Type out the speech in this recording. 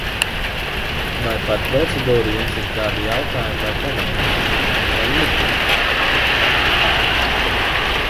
Vai par procedūru jums ir kādi jautājumi vai komentāri, vai iebildes?